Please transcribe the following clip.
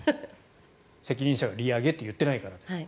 責任者が、利上げと言っていないからです。